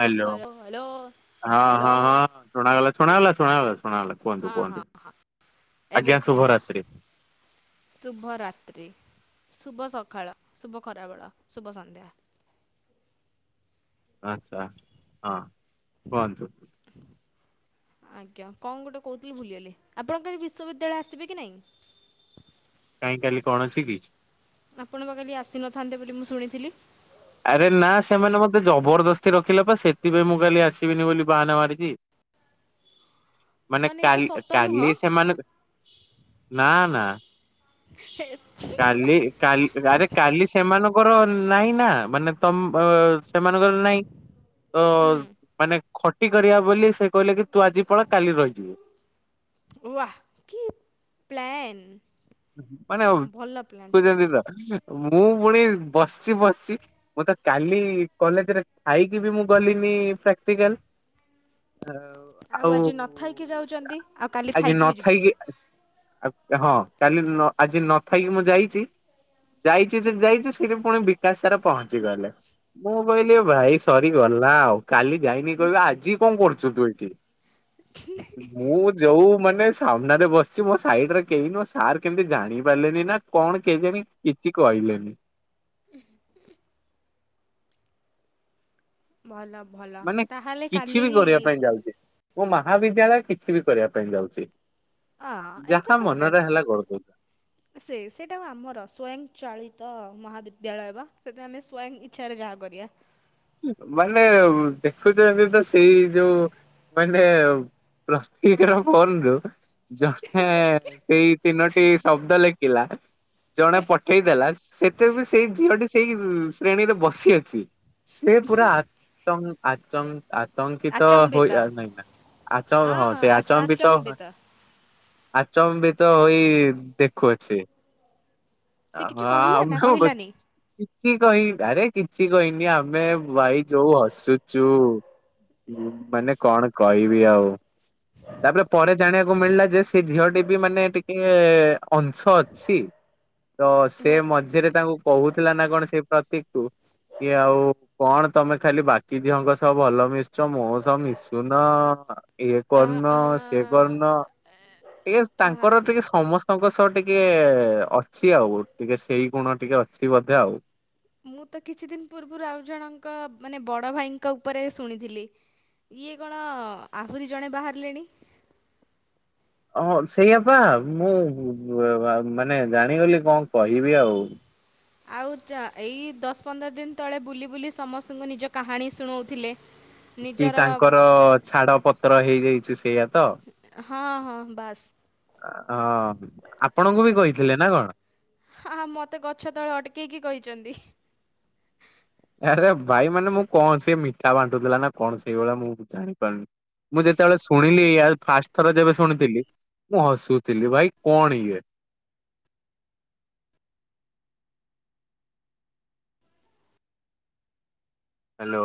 Hello ହଁ hello ହଁ ହଁ ଶୁଣାଗଲା ଶୁଣାଗଲା ଶୁଣାଗଲା ଶୁଣାଗଲା। କୁହନ୍ତୁ ହଁ ହଁ କୁହନ୍ତୁ। ହଁ, ଏବେ ଆଜ୍ଞା ସୁଭିଲା। ଶୁଭରାତ୍ରି ଶୁଭରାତ୍ରି, ଶୁଭ ସକାଳ, ଶୁଭ ଖରାବେଳ, ଶୁଭ ସନ୍ଧ୍ୟା। ଆଛା ହଁ କୁହନ୍ତୁ। ଆଜ୍ଞା କଣ ଗୋଟେ କହୁଥିଲି ଭୁଲିଗଲି। ଆପଣ କାଲି ବିଶ୍ୱବିଦ୍ୟାଳୟ ଆସିବେ କି ନାଇଁ? କାହିଁ କାଲି କଣ ଅଛି କି? ଆପଣ ବା କାଲି ଆସିନଥାନ୍ତେ ବୋଲି ମୁଁ ଶୁଣିଥିଲି। ଆରେ ନା ସେମାନେ ମୋତେ ଜବରଦସ୍ତି ରଖିଲେ ପା, ସେଥିପାଇଁ ମୁଁ କାଲି ଆସିବିନି ବୋଲି ବାହାନା ମାରିଚି। [inaudible] ମାନେ ଏଇଟା କାଲି ସତ ନୁହଁ କାଲି ସେମାନେ ନା ନା ହେ ସି କାଲି କାଲ ଆରେ କାଲି ସେମାନଙ୍କର ନାହିଁ ନା। ମାନେ ତମ ଅ, ସେମାନଙ୍କର ନାଇଁ। ତ ମାନେ ଖଟି କରିବା ବୋଲି ସେ କହିଲେ କି ତୁ ଆଜି ପଳା କାଲି ରହିଯିବୁ। ୱାହ୍ କି ପ୍ଲାନ୍। ମାନେ [inaudible] ଭଲ ପ୍ଲାନ୍ ଖୁଚନ୍ତି ତ। ମୁଁ ପୁଣି ବସିଚି ବସିଚି, ମୋତେ କାଲି କଲେଜ୍ ରେ ଥାଇକି ବି ମୁଁ ଗଲିନି ପ୍ରାକ୍ଟିକାଲ୍। ଆଉ ଆଉ ଆଜି ନ ଥାଇକି ଯାଉଚନ୍ତି। ଆଉ କାଲି ଥାଇକି ବି ଯିବେନି। ଆଉ ହଁ। କାଲି ନ ଆଜି ନଥାଇକି ମୁଁ ଯାଇଛି। ଯାଇଚି ଯେ ଯାଇଚି ସେଠି ପୁଣି ବିକାଶ ସାର୍ ପହଞ୍ଚି ଗଲେ। ମୁଁ କହିଲି ଭାଇ ସରିଗଲା ଆଉ। କାଲି ଯାଇନି କହିବେ ଆଜି କଣ କରୁଛୁ ତୁ ଏଠି। ମୁଁ ଯୋଉ ମାନେ ସାମ୍ନାରେ ବସିଛି ମୋ ସାଇଡରେ କେଇ ନୁଅ ସ ସାର୍ କେମିତି ଜାଣି ପାରିଲେନି ନା କଣ କେଜାଣି କିଛି କହିଲେନି। ଭଲ ଭଲ। ମାନେ ତାହେଲେ କିଛି କାଲି ବି କରିବା ପାଇଁ ଯାଉଛି, ମୋ ମହାବିଦ୍ୟାଳୟ କିଛି ବି କରିବା ପାଇଁ ଯାଉଛି। ଓହୋ, ଏଇଟା ଯାହା ତ ଗୋଟେ ମନରେ ହେଲା କରିଦଉଛି ସେ ସେଇଟା କ ଆମର ସ୍ୱୟଂଚାଳିତ ମହାବିଦ୍ୟାଳୟ ବା। ସେଠି ଆମେ ସ୍ୱୟଂ ଇଚ୍ଛାରେ ଯାହା କରିବା। ମାନେ ଉ, ଦେଖୁଛନ୍ତି ତ ସେଇ ଯୋଉ ମାନେ ପ୍ରସ୍ତିକିର ଫୋନ୍ ରୁ ଜଣହେ ସେଇ ତିନୋଟି ଶବ୍ଦ ଲେଖିଲା। ଜଣେ ପଠେଇ ଦେଲା। ସେଟା ବି ସେଇ ଝିଅଟି ସେଇ ଉଁ, ଶ୍ରେଣୀରେ ବସି ଅଛି। ସେ ପୁରା ଆତମ୍ ଆଚମ୍ ଆତଙ୍କିତ ଆଚମ୍ବିତ ହୋଇ ଆ, ନାଇଁ ନା ଆଚ ହଁ ସେ ଆଚମ୍ୱିତ ହୋଇ ଆଚମ୍ୱିତ ହୋଇ ଦେଖୁ ଅଛି। ସେ ଅ, କିଛି ହଁ କହିଲା ନା ଆମ ହଁ କହିଲାନି? ଗ-କିଛି କହି ଆରେ କିଛି କହିନି ଆ ମେ ଭାଇ ଯୋଉ ହସୁଚୁ, ମାନେ କଣ କହିବି ଆଉ। ତାପରେ ପରେ ଜାଣିବାକୁ ମିଳିଲା ଯେ ସେ ଝିଅଟି ବି ମାନେ ଟିକେ ଅଂଶ ଅଛି। ତ ସେ ହେ ମଝିରେ ତାଙ୍କୁ କହୁଥିଲା ନା କଣ ସେଇ ପ୍ରତୀକ କୁୁ କି ଆଉ କଣ ତୋମେ ଖାଲି ବାକି ଝିଅଙ୍କ ସହ ଭଲ ମିଶୁଛ ମୋ ସହ ମିଶୁନ। ଇଏ ଆ କର୍ଣ୍ଣ ଆ ସେ କର୍ଣ୍ଣ ଟିକେ ଆ ତାଙ୍କର ଟିକେ ସମସ୍ ସ୍ତଙ୍କ ସହ ଟିକେ ଅଛି ଆଉ ଟିକେ ସେଇ ଗୁଣ ଟିକେ ଅଛି ବୋଧେ ଆଉ। ମୁଁ ତ କିଛି ଦିନ ପୂର୍ବରୁ ଆଉ ଜଣଙ୍କ ମାନେ ବଡ଼ ଭାଇଙ୍କ ଉପରେ ଶୁଣିଥିଲି। ଇଏ କଣ ଆହୁରି ଜଣେ ବାହାରିଲେଣି। ହଁ ସେଇଆ ପା ମୁଁ ଅ, ଆ, ମାନେ ଜାଣିଗଲି କଣ କହିବି ଆଉ। ଆଉ ଚା- ଏଇ ଦଶ ପନ୍ଦର ଦିନ ତଳେ ବୁଲି ବୁଲି ସମସ୍ତଙ୍କୁ ନିଜ କାହାଣୀ ଶୁଣଉଥିଲେ। କି ନିଜର ତାଙ୍କର ଛାଡପତ୍ର ହେଇଯାଇଛି ସେଇଆ ତ? ହଁ, ହଁ ବାସ୍। ଅ, ହୁଁ, ଆପଣଙ୍କୁ ବି କହିଥିଲେ ନା କଣ? ହଁ, ହଁ ମୋତେ ଗଛ ତଳେ ଅଟକେଇକି କହିଚନ୍ତି। ଆରେ ଭାଇ ମାନେ ମୁଁ କଣ ସେ ମିଠା ବାଣ୍ଟୁଥିଲା ନା କଣ ସେଇଭଳିଆ ମୁଁ ବି ଜାଣିପାରୁନି। ମୁଁ ଯେତେବେଳେ ଶୁଣିଲି ଆଉ ଫାଷ୍ଟ ଥର ଯେବେ ଶୁଣିଥିଲି। ମୁଁ ହସୁଥିଲି ଭାଇ କଣ ଇଏ। ହାଲୋ।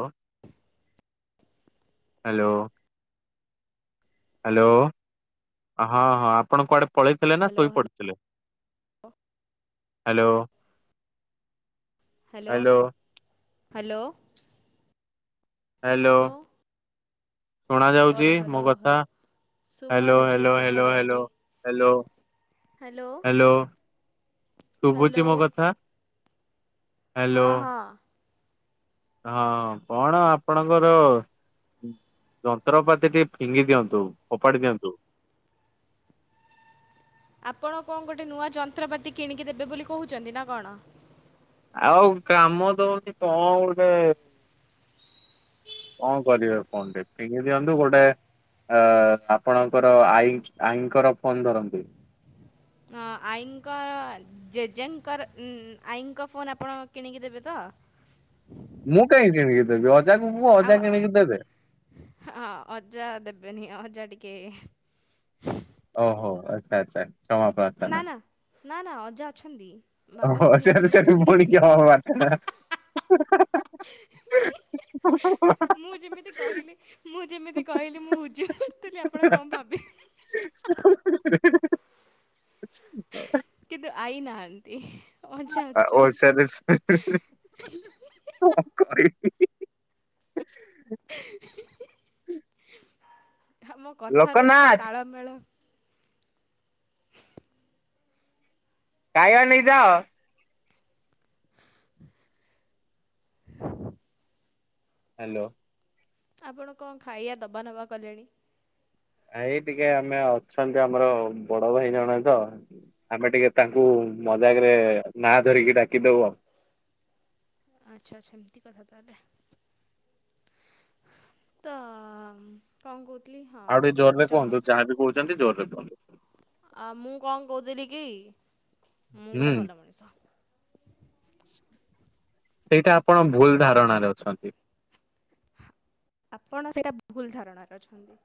ହାଲୋ। ହାଲୋ। ହଁ-ହଁ ଆପଣ କୁଆଡେ ପଳେଇଥିଲେ ନା ହ୍ୟାଲୋ ହ୍ୟାଲୋ ଶୋଇପଡିଥିଲେ? Hello. Hello hello. Hello. Hello hello hello ଶୁଭା ହ୍ୟାଲୋ ଯାଉଛି ହ୍ୟାଲୋ ଶୁଭ ହ୍ୟାଲୋ ହ୍ୟାଲୋ ଯାଉଛି। Hello hello. ହ୍ୟାଲୋ ଶୁଭୁଛି ମୋ କଥା? ହ୍ୟାଲୋ ହଁ-ହଁ। ହଁ କଣ ଆପଣଙ୍କର ଯନ୍ତ୍ରପାତି ଟିକେ ଫିଙ୍ଗି ଦିଅନ୍ତୁ ଫୋପାଡି ଦିଅନ୍ତୁ। ଆପଣ କଣ ଗୋଟେ ନୂଆ ଯନ୍ତ୍ରପାତି କିଣିକି ଦେବେ ବୋଲି କହୁଛନ୍ତି ନା କଣ? ଆଉ କାମ ଦଉନି କଣ ଗୋଟେ କଣ କରିବେ ଫୋନ ଟା ପିଙ୍ଗି ଦିଅନ୍ତୁ ଗୋଟେ ଅ ଆପଣଙ୍କର ଆଈ ଆଈଙ୍କର ଫୋନ୍ ଧରନ୍ତୁ। ହଁ ଆଈଙ୍କ ଜେଜେଙ୍କର ଆଈଙ୍କ ଫୋନ୍ ଆପଣ କିଣିକି ଦେବେ ତ? ମୁଁ କାହିଁକି କିଣିକି ଦେବି ଅଜା ଙ୍କୁ କୁହ ଆଉ ଅଜା କିଣିକି ଦେବେ। ହଁ ଅଜା ଦେବେନି ଅଜା ଟିକେ ଓହୋ ଆଚ୍ଛା ଆଚ୍ଛା। କ୍ଷମା ପ୍ରାର୍ଥନା ନା-ନା-ନା-ନା ଅଜା ଅଛନ୍ତି। ଓହୋ ଭାବନ୍ତୁନି ସେ ସେଠି କି ବୁଣିକି ହଁ ମାରିଥିଲେ। ହଁ। ମୁଁ ଯେମିତି କହିଲି ମୁଁ ଯେମିତି କହିଲି ମୁଁ ବୁଝି ପାରୁଥିଲି ଆପଣ କଣ ଭାବିଲେ। [unintelligible] କିନ୍ତୁ ଆଇ ନାହାନ୍ତି। ଅଜା ଓ ସେ, ଅଛନ୍ତି। କଣ କରିବି [unintelligible] ଆମ କଥାର ଟିକେ ଲୋକନାଥ ତାଳମେଳ କାୟା ନେଇଯାଅ ହାଲୋ। ଆପଣ କଣ ଖାଇବା ଦବା ନେବା କଲେଣି? ନାଇ ଟିକେ ଆମେ ଅଛନ୍ତି ଆମର ବଡ ଭାଇ ଜଣ ତ ଆମେ ଟିକେ ତାଙ୍କୁ ମଜାକରେ ନା ଧରିକି ଡାକିଦଉ ଆଉ। ଆଚ୍ଛା ଆଚ୍ଛା ଏମିତି କଥା ତାହେଲେ। ତ କଣ କହୁଥିଲି ହଁ ଆଉ ଟିକେ ଜୋରରେ ଜନ୍ କୁହନ୍ତୁ ଯାହା ବି କହୁଛନ୍ତି ଜୋରରେ କୁହନ୍ତୁ। ଆ ମୁଁ କଣ କହୁଥିଲି କି ମୁଁ ଗୋଟେ ହୁଁ ଭଲ ମଣିଷ। ସେଇଟା ଆପଣ ଭୁଲ ଧାରଣାରେ ଅଛନ୍ତି। ଆପଣ ସେଇଟା ଭୁଲ ଧାରଣାରେ ଅଛନ୍ତି।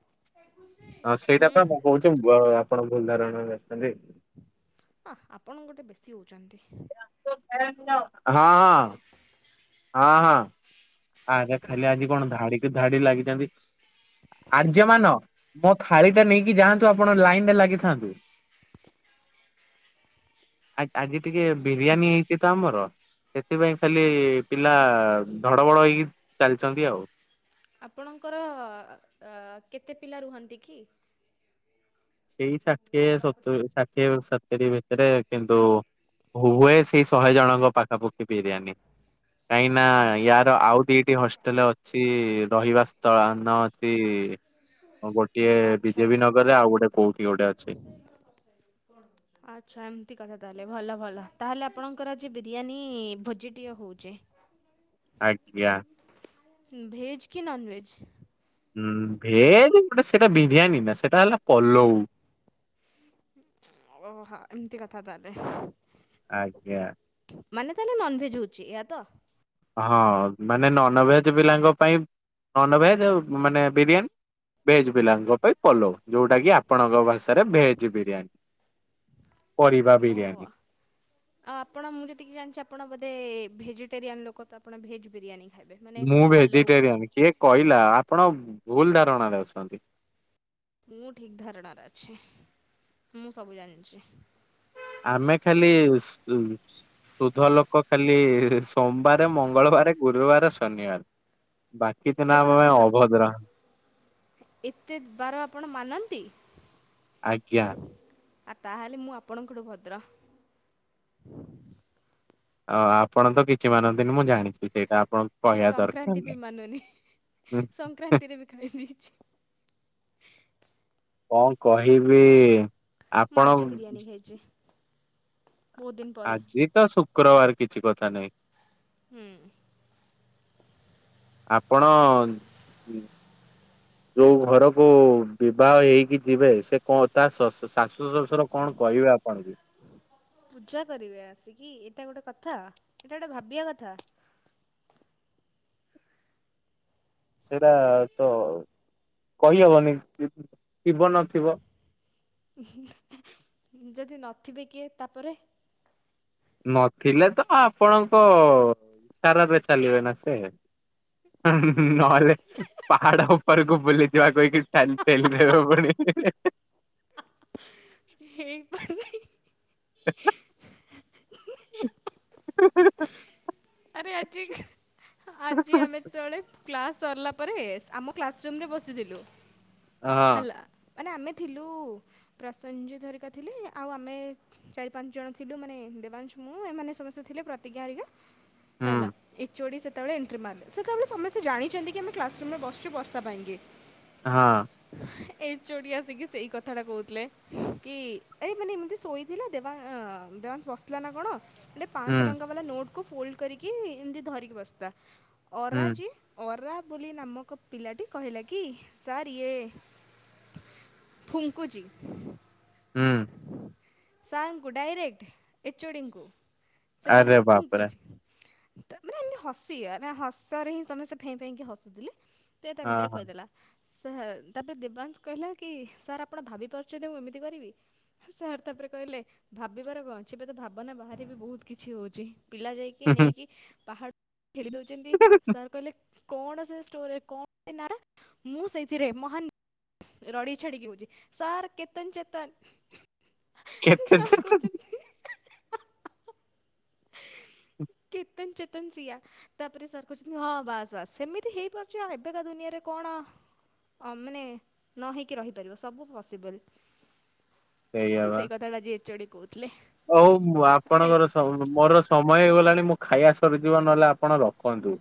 ହଁ ସେଇଟା ହୁଁ। ପା ମୁ କହୁଛୁ ବ ଆପଣ ଭୁଲ ଧାରଣରେ ଅଛନ୍ତି। ହ ଆପଣ ଗୋଟେ ବେଶୀ ହଉଛନ୍ତି। ହଁ। ହଁ ହଁ। ଆଗେ ଖାଲି ଆଜି କଣ ଧାଡିିକୁ ଧାଡି ଲାଗିଛନ୍ତି। ଆର୍ଯ୍ୟମାନ ମୋ ଥାଳି ଟା ନେଇକି ଯାଆନ୍ତୁ ଆପଣ ଲାଇନରେ ଲାଗିଥାନ୍ତୁ। ଆ ଆଜି ଟିକେ ବିରିୟାନୀ ହେଇଛି ତ ଆମର ସେଥିପାଇଁ ଖାଲି ଆଚ୍ଛା ପିଲା ଧଡ ବଡ ହେଇକି ଚାଲିଛନ୍ତି ଆଉ। ଆପଣଙ୍କର ଅ କେତେ ପିଲା ରୁହନ୍ତି କି? ସେଇ ଷାଠିଏ ସତୁ ଷାଠିଏ ସତୁରି ଭିତରେ କିନ୍ତୁ ହୁଏ ସେଇ ଶହେ ଜଣଙ୍କ ପାଖାପୁଖି ବିରିୟାନୀ। କାହିଁକି ନା ୟାର ଆଉ ଦିଟି ହଷ୍ଟେଲ ଅଛି ରହିବା ସ୍ଥଳ ନ ଅଛି [unintelligible] ଟିଏ ବିଜେପି ନଗରରେ ଆଉ ଗୋଟେ କୋଉଠି ପୁରା ଗୋଟେ ଅଛି ରୋ ଘର କରିସାରିଲେଣି। ଆଚ୍ଛା। ଏମିତି କଥା ତାହେଲେ ଭଲ ଭଲ। ତାହେଲେ ଆପଣଙ୍କର ଆଜି ବିରିୟାନୀ ଭୋଜିଟିଏ ହେଉଚି। ଆଜ୍ଞା। ଭେଜ୍ କି ନନ୍ଭେଜ୍? ହୁଁ। ଭେଜ ଗୋଟେ ସେଟା ବିରିୟାନୀ ନା ସେଟା ହେଲା ପଲଉ। ଓହୋ ଏମିତି କଥା ତାହେଲେ। ଆଜ୍ଞା। ମାନେ ତାହେଲେ ନନଭେଜ ହଉଚି ଏଇଆ ତ। ହଁ। ମାନେ ନନଭେଜ୍ ପିଲାଙ୍କ ପାଇଁ ନନଭେଜ୍ ମାନେ ବିରିୟାନୀ। ଭେଜ ପିଲାଙ୍କ ପାଇଁ ପଲଉ। ଯୋଉଟା କି ଆପଣଙ୍କ ଭାଷାରେ ଭେଜ ବିରିୟାନୀ। ପରିବା ଓହୋ। ବିରିୟାନୀ। ଆଉ ଆପଣ ମୁଁ ଯେତିକି ଜାଣିଚି ଆପଣ ବୋଧେ ଭେଜିଟେରିଆନ୍ ଲୋକ ତ ଆପଣ ଭେଜ୍ ବିରିୟାନୀ ଖାଇବେ ମାନେ ମୁଁ ପଲଉ ଭେଜିଟେରିଆନ ଖାଇବେ କିଏ କହିଲା, ଆପଣ ଭୁଲ ଧାରଣାରେ ଅଛନ୍ତି। ମୁଁ ଠିକ ଧାରଣାରେ ଅଛି। ମୁଁ ସବୁ ଜାଣିଚି। ଆମେ ଖାଲି। [unintelligible] ସୁୁଧ ଲୋକ ଖାଲି ସୋମବାରେ, ମଙ୍ଗଳବାରେ ଗୁରୁବାର, ଶନିବାର। ବାକି ଏତେ ଦିନ ବାର ଆମ ପାଇଁ ଅଭଦ୍ର। ଏତେ ବାର ଆପଣ ମାନନ୍ତି? ଆଜ୍ଞା। ଆଉ ତାହେଲେ ମୁଁ ଆପଣଙ୍କଠୁ ଭଦ୍ର। ଅ ଆପଣ ତ କିଛି ମାନନ୍ତିନି ମୁଁ ଜାଣିଚି ସେଇଟା। ଆପଣଙ୍କୁ କହିବା ଦରକାର ସଂକ୍ରାନ୍ତି ବି ନାହିଁ। ମାନୁନି ହୁଁ ସଂକ୍ରାନ୍ତିରେ ବି ଖାଇ ଦେଇଚି। କଣ କହିବି ମୁଁ ଆପଣ ଆଜି [unintelligible] ବହୁତ ଦିନ ପରେ ଆଜି ତ ଶୁକ୍ରବାର କିଛି କଥା ନାହିଁ। ହୁଁ। ଆପଣ ଯୋଉ ଘରକୁ ବିବାହ ହେଇକି ଯିବେ ସେ କଣ ତା ଶ ଶାଶୁ ଶ୍ୱଶୁର କଣ କହିବେ ଆପଣ କୁ। ପୂଜା କରିବେ ଆସିକି। ଏଇଟା ଗୋଟେ କଥା ଏଇଟା ଗୋଟେ ଭାବିବା କଥା। ସେରା ତ କହି ହବନି ଥିବ ନଥିବ। ଯଦି ନଥିବେ କିଏ ତାପରେ ନଥିଲେ ତ ଆପଣଙ୍କ ଇସାରାରେ ଚାଲିବେ ନା ସେ। ନହେଲେ ପାହାଡ ଉ ଉପରକୁ ବୁଲିଯିବା କହିକି ଠେଲି ଦେବେ। [unintelligible] [unintelligible] ଆରେ ଆଜି ଆଜି ଆମେ ଯେତେବେଳେ କ୍ଲାସ ସରିଲା ପରେ ଆମ କ୍ଲାସରୁୁମ୍ ରେ ବସିଥିଲୁ। ହଁ। ହେଲା। ମାନେ ଆମେ ଥିଲୁ ପ୍ରସଞ୍ଜଜିତ୍ ହେରିକା ଥିଲେ। ଆଉ ଆମେ ଚାରି ପାଞ୍ଚ ଜଣ ଥିଲୁ ମାନେ ଦେବାଂଶ ମୁଁ ଏମାନେ ସମସ୍ତେ ଥିଲେ ପ୍ରତିଜ୍ଞା ହେରିକା। ହେଲା। ହୁଁ ଏଚୋଡି ସେ ତାପରେ ଏଣ୍ଟ୍ରି ମାରିଲେ। ସେତବେଳେ ସମସ୍ତେ ଜାଣିଚନ୍ତି କି ଆମେ କ୍ଲାସରୁୁମ୍ ରେ ବସିଚୁ ବର୍ଷା ପାଇଁକି। ହଁ। ଏଚ୍ଓଡ଼ି ଆସିକି ସେଇ କଥା ଟା କହୁ, କି ଆରେ ଶୋଇ ଦେବା ଦେବାଂଶ୍ ବସ୍ ଥିଲା ନା କ'ଣ? ପାଆନ୍ସ ହୁଁ ଟଙ୍କା ବାଲା ନୋଟ୍ କୁ ଫୋଲ୍ଡ କରିକି, ଧରିକି ବସି ହୁଁ ଅରାଜି ଅରା ବୋଲି ନାମକ ପିଲାଟି କହିଲା, କି ସାର୍ ଇଏ ଫୁଙ୍କୁ ହୁଁ ସା---ଙ୍କୁ ଡାଇରେ ଏଚୋଡ଼ିଙ୍କୁ ସେ ଆରେ କହିଲେ ବାପରେ। ଫୁଙ୍କୁଚି। ମାନେ ଏମିତି ହସି ହସରେ ହିଁ ସମସ୍ତେ ଫେଁ ଫେଁ ହେଇକି ହସୁ। [inaudible] ହଁ ହଁ ତା'ପରେ ଦେବାଂଶ କହିଲା କି, ସାର୍ ଆପଣ ଭାବିପାରୁଚନ୍ତି ମୁଁ ଏମିତି କରିବି,? ସାର୍ ତା'ପରେ କହିଲେ, ଭାବିବାର କ'ଣ ଅଛି, ଏବେ ତ ଭାବନା ବାହାରେ ବି ବହୁତ୍ କିଛି ହଉଚି। ପିଲା ଯାଇକି କି ନେଇକି ପାହା------ଦଉଚନ୍ତି, ସାର୍ କହି [inaudible] ରଡ଼ି ଛାଡ଼ିକି ହଉଚି ସାର୍ କେତନ୍‌ ଚେତନ୍‌ କେତେ ଯେ [unintelligible] [inaudible] ସିଆ ତା'ପରେ ସାର୍ କହୁଚନ୍ତି ହଁ ବାସ୍ ବାସ୍ ସେମିତି ହେଇପାରୁଚି। ଏବେକା ଦୁନିଆରେ କ'ଣ ନେ ନ ହେଇକି ରହିପାରିବ ସବୁ ପସିବୁଲ୍। ସେଇ କଥା ଟା ଆଜି ଏଚ୍ଓଡ଼ି କହୁଥିଲେ। [inaudible] ଆମେ ମର ସମୟ ହେଇଗଲାଣି, ଖାଇବା ସରିଯିବ ନହେଲେ ଆପଣ ରଖନ୍ତୁ।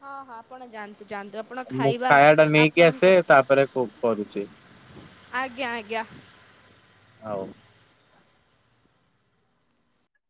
ହଁ ହଁ, ଆପଣ ଯାନ୍ତୁ ଯାନ୍ତୁ ମୁ ଖାୟା ଟା ନେଇକି ଆସେ ତା'ପରେ କରୁଚି। ଆଜ୍ଞା ଆଜ୍ଞା। ଆଓ